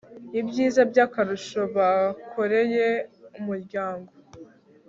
ibyiza by akarusho bakoreye umuryango